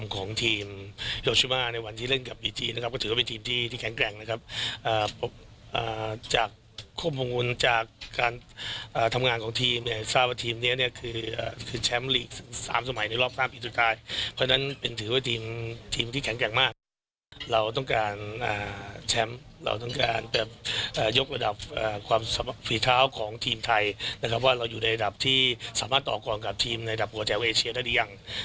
ความฝีเท้าของทีมไทยนะครับว่าเราอยู่ในอันดับที่สามารถต่อก่อนกับทีมในอันดับหัวแถวเอเชียนได้ยัง